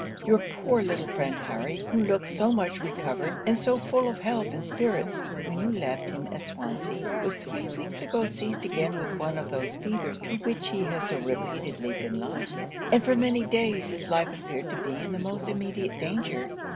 Your poor little friend Harry, who looked so much recovered, and so full of health and spirits, when you left him at Swansea, was three weeks ago seized again with one of those fevers to which he has so repeatedly been liable, and for many days his life appeared to be in the most immediate danger.